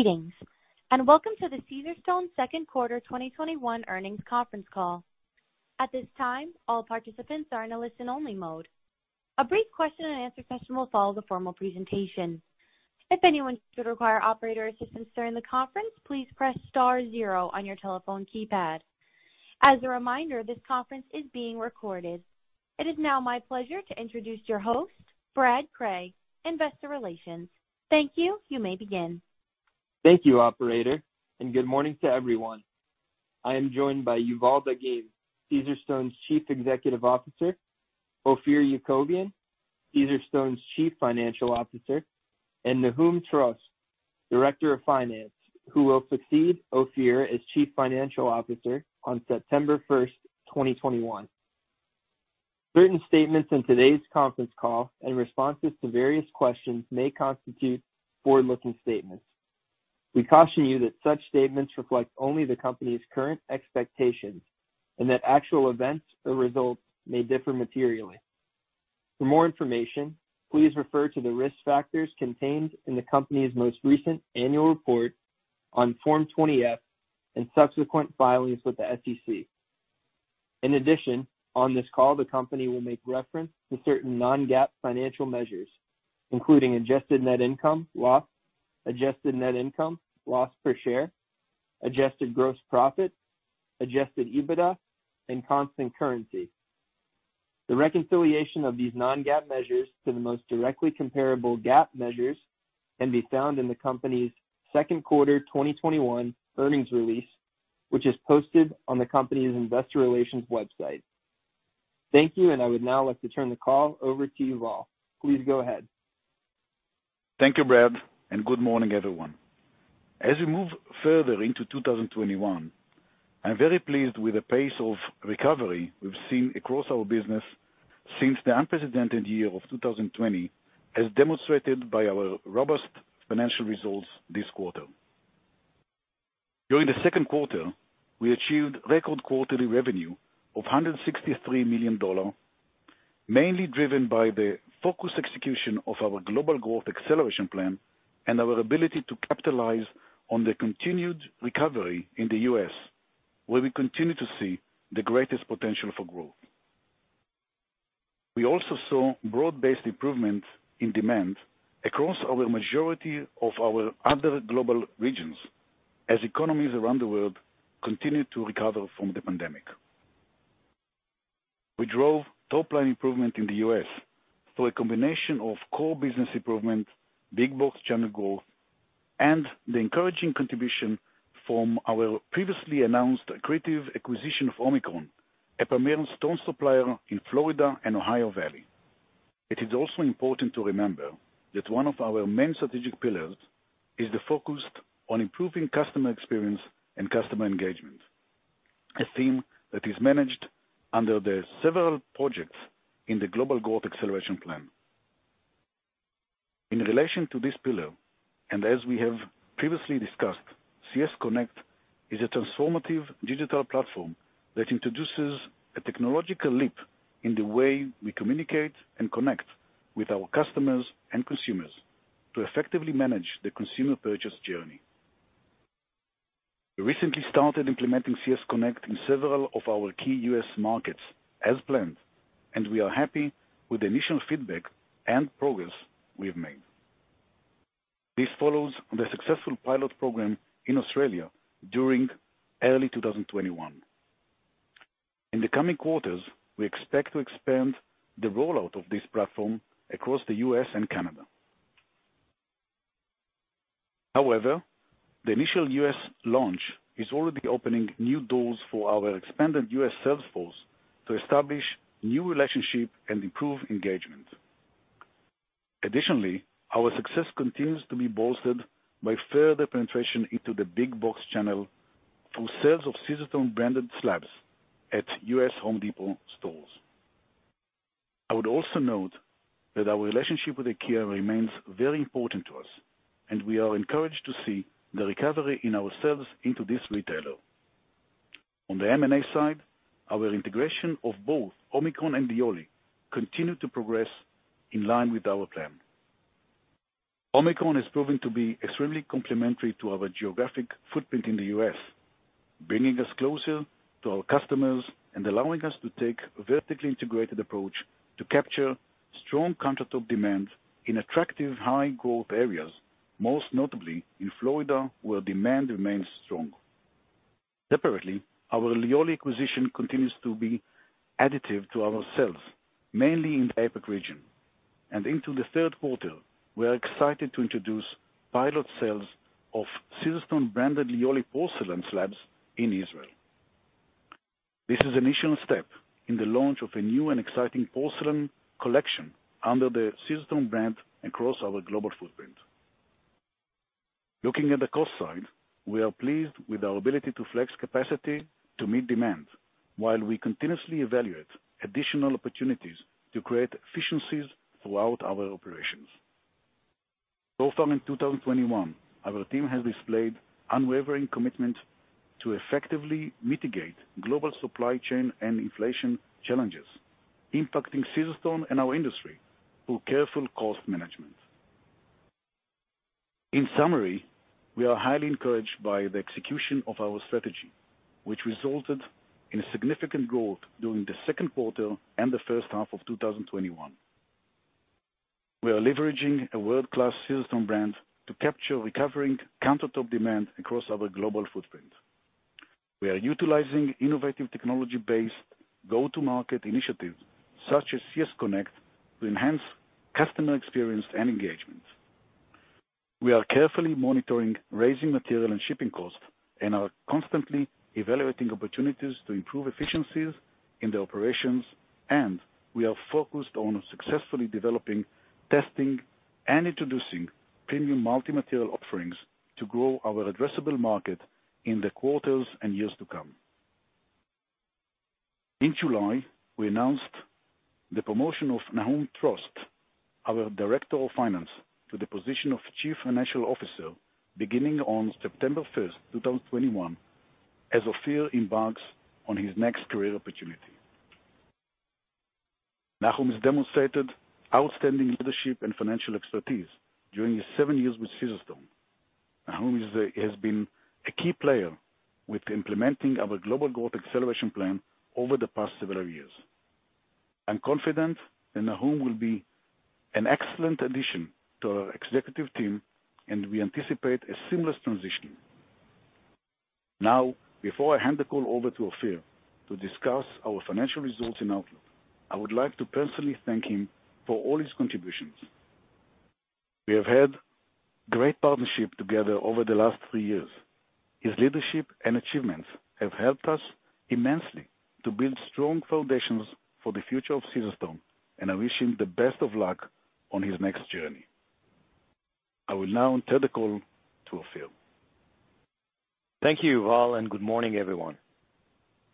Greetings, and welcome to the Caesarstone second quarter 2021 earnings conference call. At this time all participants are in a listen-only mode. A brief question and answer session will follow the formal presentation. If anyone will require operator assistance during the conference, please press star zero on your telephone keypad. As a reminder, this conference is being recorded. It is now my pleasure to introduce your host, Brad Cray, Investor Relations. Thank you. You may begin. Thank you, operator, and good morning to everyone. I am joined by Yuval Dagim, Caesarstone's Chief Executive Officer, Ophir Yakovian, Caesarstone's Chief Financial Officer, and Nahum Trost, Director of Finance, who will succeed Ophir as Chief Financial Officer on September 1st, 2021. Certain statements in today's conference call and responses to various questions may constitute forward-looking statements. We caution you that such statements reflect only the company's current expectations and that actual events or results may differ materially. For more information, please refer to the risk factors contained in the company's most recent annual report on Form 20-F and subsequent filings with the SEC. In addition, on this call, the company will make reference to certain non-GAAP financial measures, including adjusted net income, loss, adjusted net income, loss per share, adjusted gross profit, adjusted EBITDA, and constant currency. The reconciliation of these non-GAAP measures to the most directly comparable GAAP measures can be found in the company's second quarter 2021 earnings release, which is posted on the company's investor relations website. Thank you, and I would now like to turn the call over to Yuval. Please go ahead. Thank you, Brad, and good morning, everyone. As we move further into 2021, I'm very pleased with the pace of recovery we've seen across our business since the unprecedented year of 2020, as demonstrated by our robust financial results this quarter. During the second quarter, we achieved record quarterly revenue of $163 million, mainly driven by the focused execution of our Global Growth Acceleration Plan and our ability to capitalize on the continued recovery in the U.S., where we continue to see the greatest potential for growth. We also saw broad-based improvements in demand across our majority of our other global regions as economies around the world continue to recover from the pandemic. We drove top-line improvement in the U.S. through a combination of core business improvement, big box channel growth, and the encouraging contribution from our previously announced accretive acquisition of Omicron, a premier stone supplier in Florida and Ohio Valley. It is also important to remember that one of our main strategic pillars is the focus on improving customer experience and customer engagement, a theme that is managed under the several projects in the Global Growth Acceleration Plan. In relation to this pillar, and as we have previously discussed, CS Connect is a transformative digital platform that introduces a technological leap in the way we communicate and connect with our customers and consumers to effectively manage the consumer purchase journey. We recently started implementing CS Connect in several of our key U.S. markets as planned, and we are happy with the initial feedback and progress we have made. This follows the successful pilot program in Australia during early 2021. In the coming quarters, we expect to expand the rollout of this platform across the U.S. and Canada. However, the initial U.S. launch is already opening new doors for our expanded U.S. salesforce to establish new relationships and improve engagement. Additionally, our success continues to be bolstered by further penetration into the big box channel through sales of Caesarstone-branded slabs at U.S. Home Depot stores. I would also note that our relationship with IKEA remains very important to us, and we are encouraged to see the recovery in our sales into this retailer. On the M&A side, our integration of both Omicron and Lioli continued to progress in line with our plan. Omicron is proving to be extremely complementary to our geographic footprint in the U.S., bringing us closer to our customers and allowing us to take a vertically integrated approach to capture strong countertop demand in attractive high-growth areas, most notably in Florida, where demand remains strong. Separately, our Lioli acquisition continues to be additive to our sales, mainly in the APAC region. Into the third quarter, we are excited to introduce pilot sales of Caesarstone-branded Lioli porcelain slabs in Israel. This is an initial step in the launch of a new and exciting porcelain collection under the Caesarstone brand across our global footprint. Looking at the cost side, we are pleased with our ability to flex capacity to meet demand while we continuously evaluate additional opportunities to create efficiencies throughout our operations. Far in 2021, our team has displayed unwavering commitment to effectively mitigate global supply chain and inflation challenges impacting Caesarstone and our industry through careful cost management. In summary, we are highly encouraged by the execution of our strategy, which resulted in significant growth during the second quarter and the first half of 2021. We are leveraging a world-class Caesarstone brand to capture recovering countertop demand across our global footprint. We are utilizing innovative technology-based go-to-market initiatives, such as CS Connect, to enhance customer experience and engagement. We are carefully monitoring rising material and shipping costs, and are constantly evaluating opportunities to improve efficiencies in the operations, and we are focused on successfully developing, testing, and introducing premium multi-material offerings to grow our addressable market in the quarters and years to come. In July, we announced the promotion of Nahum Trost, our Director of Finance, to the position of Chief Financial Officer beginning on September 1st, 2021, as Ophir embarks on his next career opportunity. Nahum has demonstrated outstanding leadership and financial expertise during his seven years with Caesarstone. Nahum has been a key player with implementing our Global Growth Acceleration Plan over the past several years. I'm confident that Nahum will be an excellent addition to our executive team, and we anticipate a seamless transition. Now, before I hand the call over to Ophir to discuss our financial results and outlook, I would like to personally thank him for all his contributions. We have had great partnership together over the last three years. His leadership and achievements have helped us immensely to build strong foundations for the future of Caesarstone, and I wish him the best of luck on his next journey. I will now turn the call to Ophir. Thank you, Yuval, and good morning, everyone.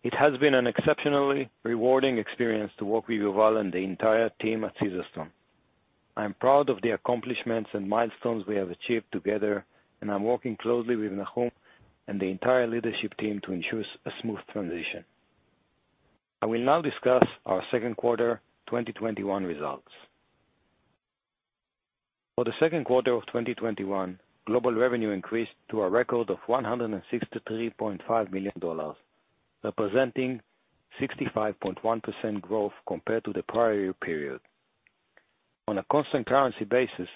It has been an exceptionally rewarding experience to work with Yuval and the entire team at Caesarstone. I'm proud of the accomplishments and milestones we have achieved together, and I'm working closely with Nahum and the entire leadership team to ensure a smooth transition. I will now discuss our second quarter 2021 results. For the second quarter of 2021, global revenue increased to a record of $163.5 million, representing 65.1% growth compared to the prior year period. On a constant currency basis,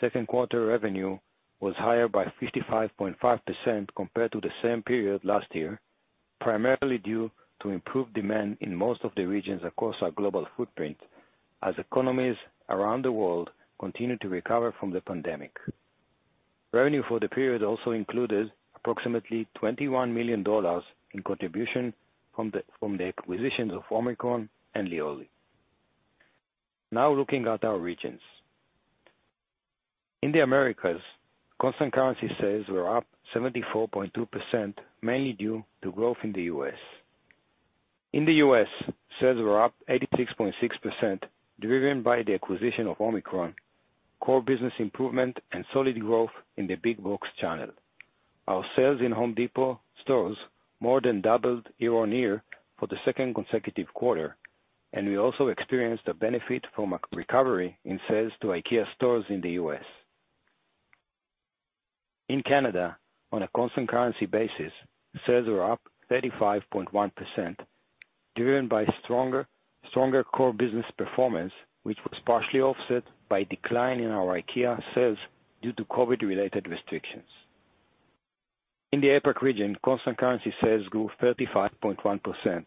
second quarter revenue was higher by 55.5% compared to the same period last year, primarily due to improved demand in most of the regions across our global footprint, as economies around the world continue to recover from the pandemic. Revenue for the period also included approximately $21 million in contribution from the acquisitions of Omicron and Lioli. Now looking at our regions. In the Americas, constant currency sales were up 74.2%, mainly due to growth in the U.S. In the U.S., sales were up 86.6%, driven by the acquisition of Omicron, core business improvement, and solid growth in the big box channel. Our sales in The Home Depot stores more than doubled year-over-year for the second consecutive quarter, and we also experienced a benefit from a recovery in sales to IKEA stores in the U.S. In Canada, on a constant currency basis, sales were up 35.1%, driven by stronger core business performance, which was partially offset by a decline in our IKEA sales due to COVID-related restrictions. In the APAC region, constant currency sales grew 35.1%.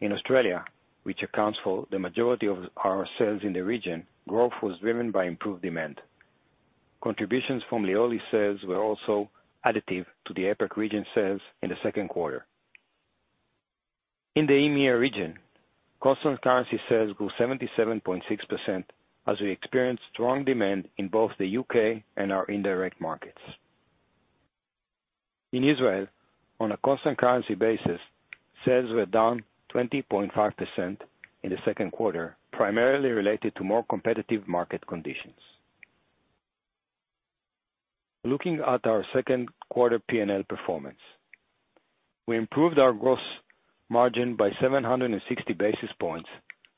In Australia, which accounts for the majority of our sales in the region, growth was driven by improved demand. Contributions from Lioli sales were also additive to the APAC region sales in the second quarter. In the EMEA region, constant currency sales grew 77.6% as we experienced strong demand in both the U.K. and our indirect markets. In Israel, on a constant currency basis, sales were down 20.5% in the second quarter, primarily related to more competitive market conditions. Looking at our second quarter P&L performance. We improved our gross margin by 760 basis points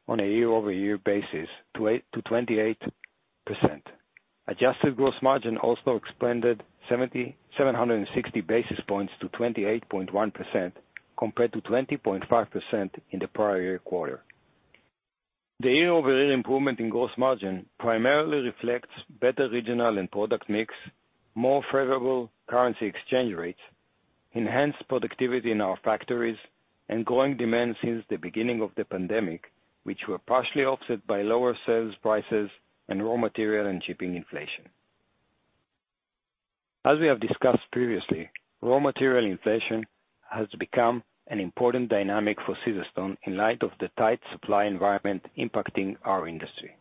on a year-over-year basis to 28%. Adjusted gross margin also expanded 760 basis points to 28.1%, compared to 20.5% in the prior year quarter. The year-over-year improvement in gross margin primarily reflects better regional and product mix, more favorable currency exchange rates, enhanced productivity in our factories, and growing demand since the beginning of the pandemic, which were partially offset by lower sales prices and raw material and shipping inflation. As we have discussed previously, raw material inflation has become an important dynamic for Caesarstone in light of the tight supply environment impacting our industry.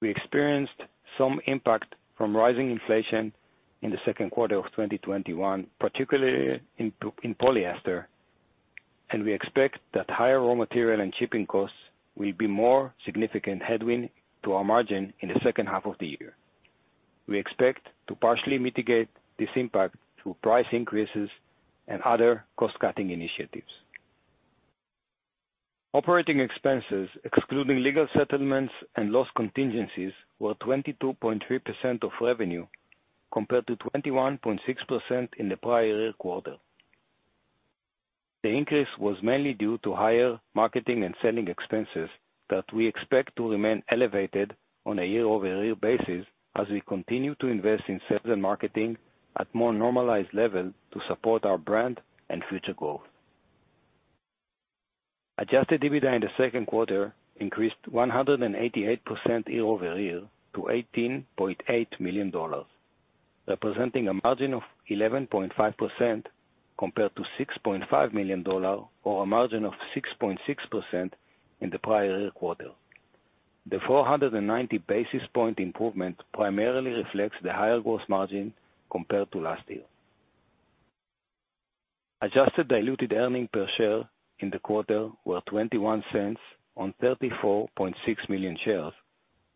We experienced some impact from rising inflation in the second quarter of 2021, particularly in polyester, and we expect that higher raw material and shipping costs will be more significant headwind to our margin in the second half of the year. We expect to partially mitigate this impact through price increases and other cost-cutting initiatives. Operating expenses, excluding legal settlements and loss contingencies, were 22.3% of revenue, compared to 21.6% in the prior year quarter. The increase was mainly due to higher marketing and selling expenses that we expect to remain elevated on a year-over-year basis as we continue to invest in sales and marketing at more normalized level to support our brand and future growth. Adjusted EBITDA in the second quarter increased 188% year-over-year to $18.8 million, representing a margin of 11.5% compared to $6.5 million, or a margin of 6.6% in the prior year quarter. The 490 basis point improvement primarily reflects the higher gross margin compared to last year. Adjusted diluted earnings per share in the quarter were $0.21 on 34.6 million shares,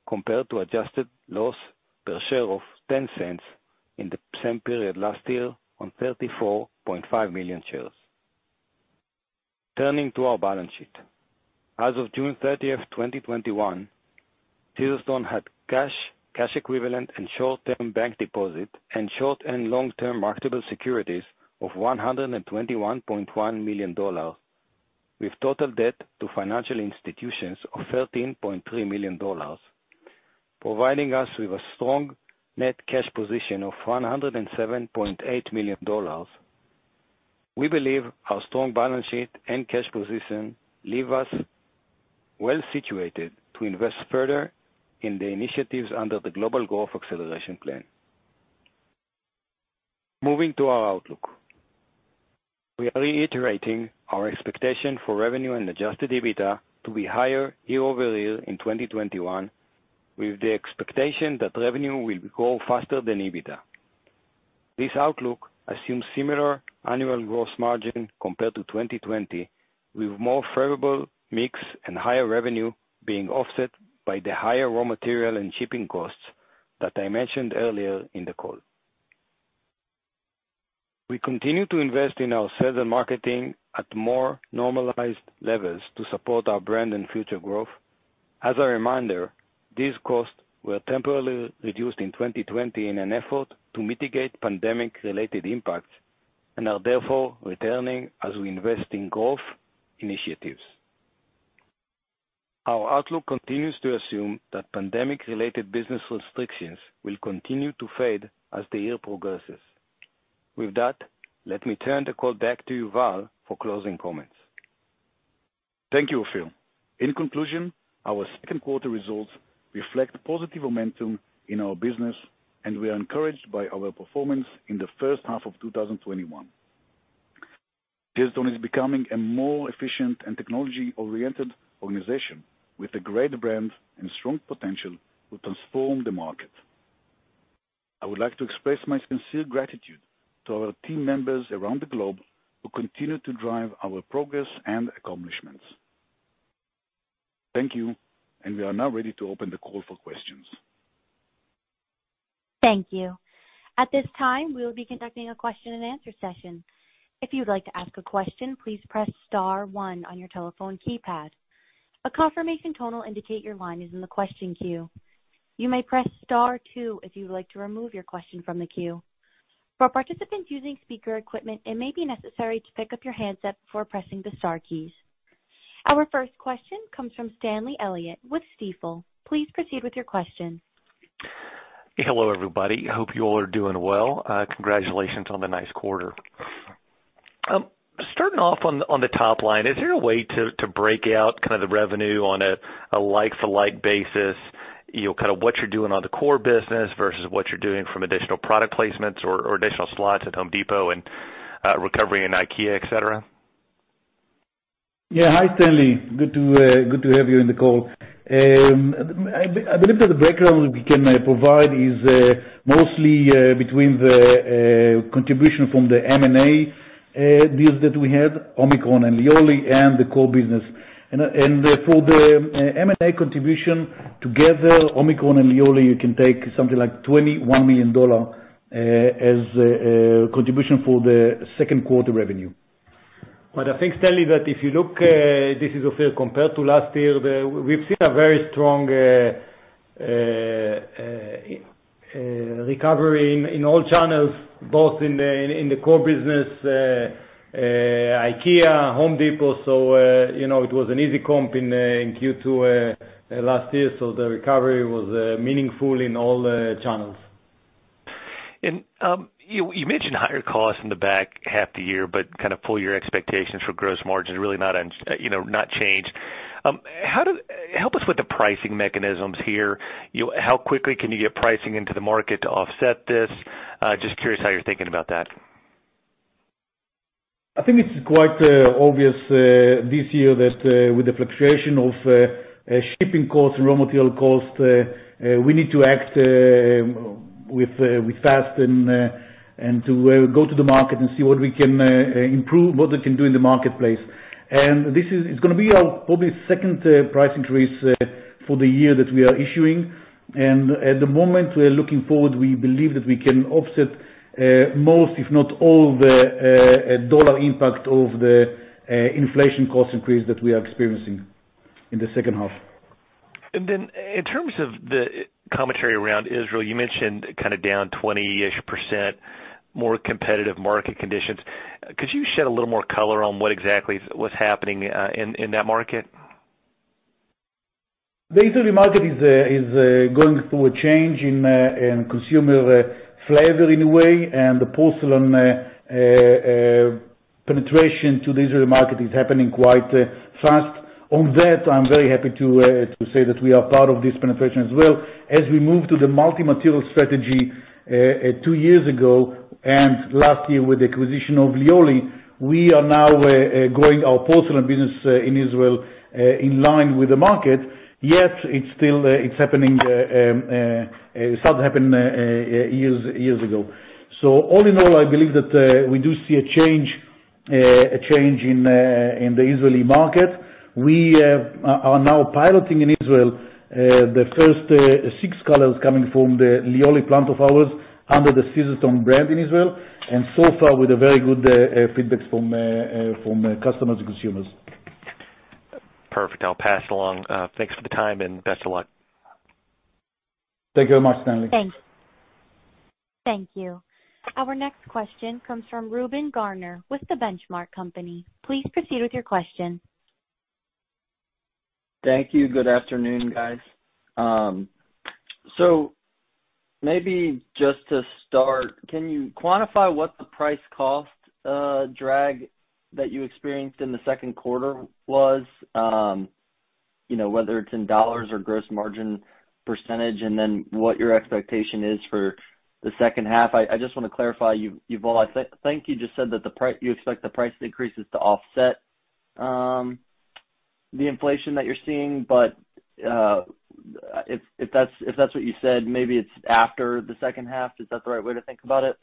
compared to adjusted loss per share of $0.10 in the same period last year on 34.5 million shares. Turning to our balance sheet. As of June 30th, 2021, Caesarstone had cash equivalent, and short-term bank deposits, and short and long-term marketable securities of $121.1 million, with total debt to financial institutions of $13.3 million, providing us with a strong net cash position of $107.8 million. We believe our strong balance sheet and cash position leave us well-situated to invest further in the initiatives under the Global Growth Acceleration Plan. Moving to our outlook. We are reiterating our expectation for revenue and adjusted EBITDA to be higher year-over-year in 2021, with the expectation that revenue will grow faster than EBITDA. This outlook assumes similar annual gross margin compared to 2020, with more favorable mix and higher revenue being offset by the higher raw material and shipping costs that I mentioned earlier in the call. We continue to invest in our sales and marketing at more normalized levels to support our brand and future growth. As a reminder, these costs were temporarily reduced in 2020 in an effort to mitigate pandemic-related impacts and are therefore returning as we invest in growth initiatives. Our outlook continues to assume that pandemic-related business restrictions will continue to fade as the year progresses. With that, let me turn the call back to Yuval for closing comments. Thank you, Ophir. In conclusion, our second quarter results reflect positive momentum in our business, and we are encouraged by our performance in the first half of 2021. Caesarstone is becoming a more efficient and technology-oriented organization with a great brand and strong potential to transform the market. I would like to express my sincere gratitude to our team members around the globe who continue to drive our progress and accomplishments. Thank you, and we are now ready to open the call for questions. Thank you. At this time we will be conducting a question and answer session. If you're going to ask a question, please press star one on your telephone keypad. A confirmation tone will indicate you're line is in the question queue. You may press star two if you would like to remove your question from the queue. For participants using speaker equipment, it may be necessary to pickup your handset before pressing the star keys. Our first question comes from Stanley Elliott with Stifel. Please proceed with your question. Hello, everybody. Hope you all are doing well. Congratulations on the nice quarter. Starting off on the top line, is there a way to break out kind of the revenue on a like-to-like basis, kind of what you're doing on the core business versus what you're doing from additional product placements or additional slots at The Home Depot and recovery in IKEA, et cetera? Hi, Stanley. Good to have you on the call. I believe that the background we can provide is mostly between the contribution from the M&A deals that we have, Omicron and Lioli, and the core business. For the M&A contribution together, Omicron and Lioli, you can take something like $21 million as a contribution for the 2nd quarter revenue. I think, Stanley, that if you look, this is Ophir, compared to last year, we've seen a very strong recovery in all channels, both in the core business, IKEA, Home Depot. It was an easy comp in Q2 last year. The recovery was meaningful in all the channels. You mentioned higher costs in the back half the year, but kind of pull your expectations for gross margins really not changed. Help us with the pricing mechanisms here. How quickly can you get pricing into the market to offset this? Just curious how you're thinking about that. I think it's quite obvious this year that with the fluctuation of shipping costs and raw material costs, we need to act fast and to go to the market and see what we can improve, what we can do in the marketplace. This is going to be our probably second price increase for the year that we are issuing. At the moment, we are looking forward, we believe that we can offset most, if not all the dollar impact of the inflation cost increase that we are experiencing in the second half. Then in terms of the commentary around Israel, you mentioned down 20-ish%, more competitive market conditions. Could you shed a little more color on what exactly was happening in that market? The Israeli market is going through a change in consumer flavor, in a way, and the porcelain penetration to the Israeli market is happening quite fast. On that, I'm very happy to say that we are part of this penetration as well. As we moved to the multi-material strategy two years ago, and last year with the acquisition of Lioli, we are now growing our porcelain business in Israel in line with the market. Yet, it started happening years ago. All in all, I believe that we do see a change in the Israeli market. We are now piloting in Israel the first six colors coming from the Lioli plant of ours under the Caesarstone brand in Israel. So far, with a very good feedback from customers and consumers. Perfect. I'll pass along. Thanks for the time, and best of luck. Thank you very much, Stanley. Thanks. Thank you. Our next question comes from Reuben Garner with The Benchmark Company. Please proceed with your question. Thank you. Good afternoon, guys. Maybe just to start, can you quantify what the price cost drag that you experienced in the second quarter was? Whether it's in dollars or gross margin percentage, and then what your expectation is for the second half. I just want to clarify, Yuval, I think you just said that you expect the price increases to offset the inflation that you're seeing, but if that's what you said, maybe it's after the second half. Is that the right way to think about it?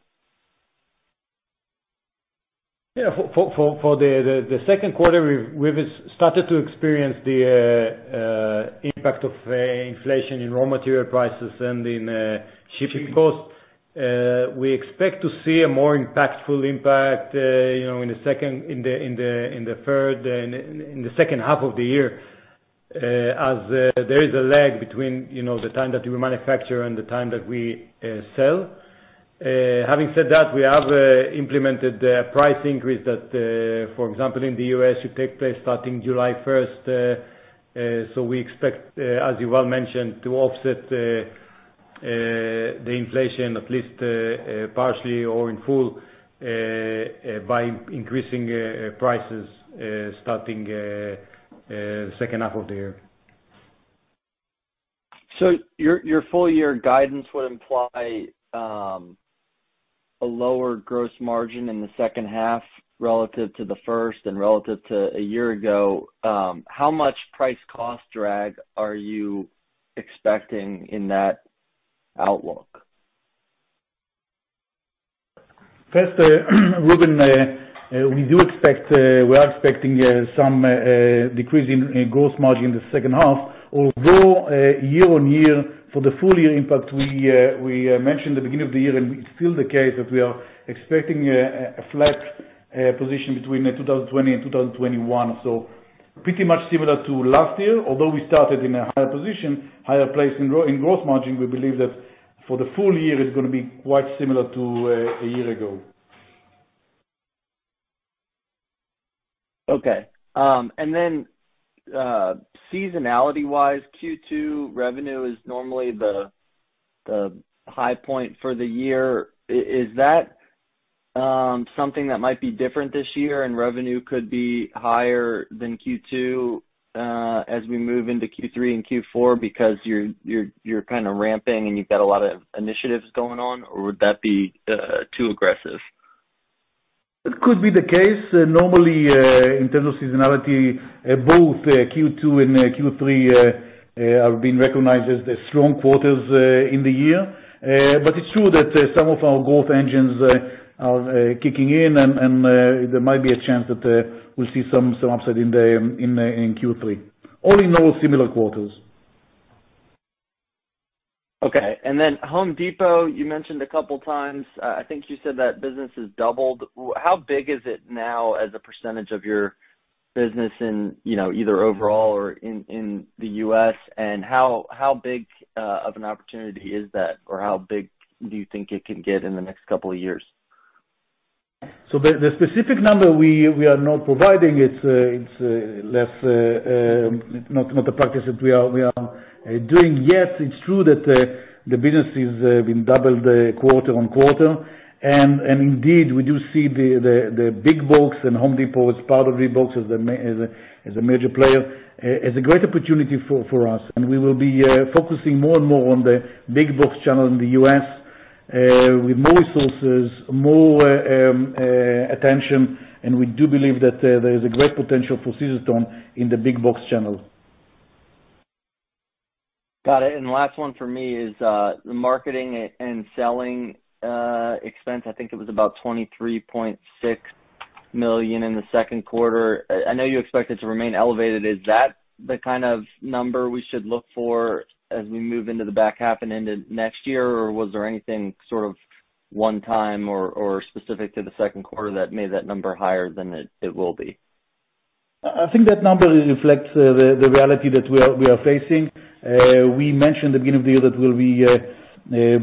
Yeah. For the second quarter, we've started to experience the impact of inflation in raw material prices and in shipping costs. We expect to see a more impactful impact, in the second half of the year, as there is a lag between the time that we manufacture and the time that we sell. Having said that, we have implemented a price increase that, for example, in the U.S., should take place starting July 1st. We expect, as Yuval mentioned, to offset the inflation, at least partially or in full, by increasing prices starting the second half of the year. Your full year guidance would imply a lower gross margin in the second half relative to the first and relative to a year ago. How much price cost drag are you expecting in that outlook? First, Reuben, we are expecting some decrease in gross margin in the second half. Year-on-year, for the full year impact, we mentioned the beginning of the year, and it's still the case that we are expecting a flat position between 2020 and 2021. Pretty much similar to last year, although we started in a higher position, higher place in gross margin. We believe that for the full year, it's going to be quite similar to a year ago. Okay. Seasonality-wise, Q2 revenue is normally the high point for the year. Is that something that might be different this year, and revenue could be higher than Q2 as we move into Q3 and Q4 because you're kind of ramping, and you've got a lot of initiatives going on, or would that be too aggressive? That could be the case. Normally, in terms of seasonality, both Q2 and Q3 have been recognized as the strong quarters in the year. It's true that some of our growth engines are kicking in, and there might be a chance that we'll see some upside in Q3. All in all, similar quarters. Okay. Home Depot, you mentioned couple of times. I think you said that business has doubled. How big is it now as a percentage of your business in either overall or in the U.S., and how big of an opportunity is that, or how big do you think it can get in the next couple of years? The specific number we are not providing. It's not a practice that we are doing yet. It's true that the business has been doubled quarter-on-quarter. Indeed, we do see the big box and The Home Depot as part of the box, as a major player. It's a great opportunity for us, and we will be focusing more and more on the big box channel in the U.S. with more resources, more attention, and we do believe that there is a great potential for Caesarstone in the big box channel. Got it. Last one from me is the marketing and selling expense, I think it was about $23.6 million in the second quarter. I know you expect it to remain elevated. Is that the kind of number we should look for as we move into the back half and into next year, or was there anything sort of one time or specific to the second quarter that made that number higher than it will be? I think that number reflects the reality that we are facing. We mentioned at the beginning of the year that we'll be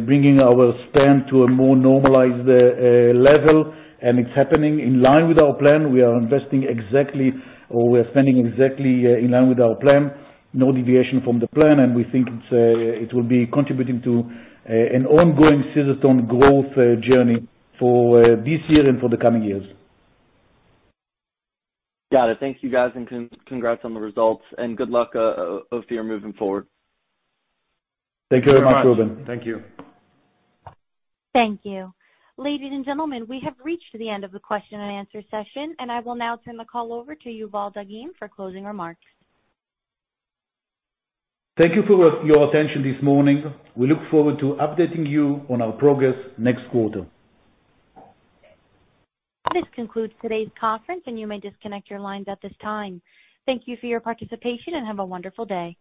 bringing our spend to a more normalized level, and it's happening in line with our plan. We are investing exactly, or we're spending exactly in line with our plan. No deviation from the plan, and we think it will be contributing to an ongoing Caesarstone growth journey for this year and for the coming years. Got it. Thank you, guys, and congrats on the results. Good luck of your moving forward. Thank you very much, Reuben. Thank you. Thank you. Ladies and gentlemen, we have reached the end of the question and answer session. I will now turn the call over to Yuval Dagim for closing remarks. Thank you for your attention this morning. We look forward to updating you on our progress next quarter. This concludes today's conference, and you may disconnect your lines at this time. Thank you for your participation, and have a wonderful day.